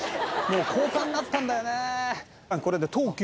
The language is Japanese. もう高架になったんだよね。